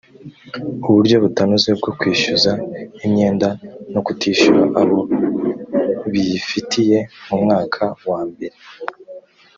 uburyo butanoze bwo kwishyuza imyenda no kutishyura abo biyifitiye mu mwaka wambere